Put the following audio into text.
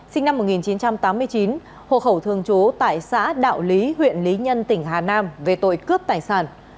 sinh năm một nghìn chín trăm tám mươi chín hộ khẩu thường trú tại xã đạo lý huyện lý nhân tỉnh hà nam về tội cướp tài sản